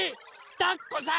たっこさん！